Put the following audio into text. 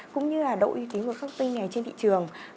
cũng như là độ y tín của các công ty này trên thị trường